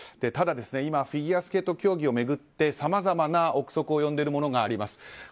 ただ、今フィギュアスケート競技を巡ってさまざまな憶測を呼んでいるものがあります。